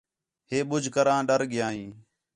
ہے ٻُڄھ کر آں ݙَر ڳِیا ہیں